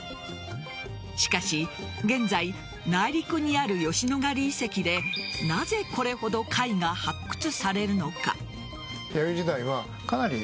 しかし現在内陸にある吉野ヶ里遺跡でなぜ、これほど貝が発掘されるのか。